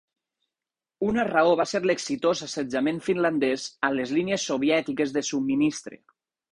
Una raó va ser l"exitós assetjament finlandès a les línies soviètiques de subministre.